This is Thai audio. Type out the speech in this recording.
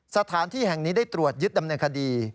สถานที่แห่งนี้ได้ตรวจยึดดำเนินคดี